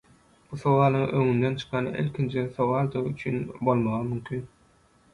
Bu sowalyň öňüňden çykan ilkinji sowaldygy üçin bolmagam mümkin –